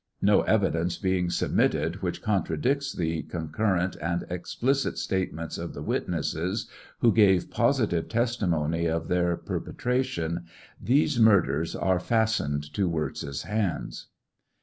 No evidence being submitted which contradicts the concur rent and explicit statements of the witnesses who gave positive testimony of their perpetration, these murders are fastened to Wirz's hands.